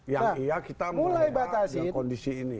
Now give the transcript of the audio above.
yang iya kita melihat kondisi ini